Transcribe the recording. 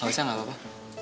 gak usah gak apa apa